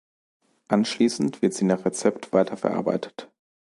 Anschließend wird sie nach Rezept weiterverarbeitet.